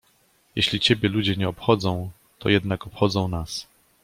— Jeśli ciebie ludzie nie obchodzą, to jednak obchodzą nas.